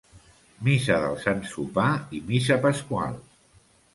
Missa del sant sopar i missa pasqual.